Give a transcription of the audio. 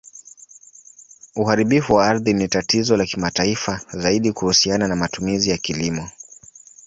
Uharibifu wa ardhi ni tatizo la kimataifa, zaidi kuhusiana na matumizi ya kilimo.